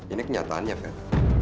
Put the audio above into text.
ini kenyataannya ver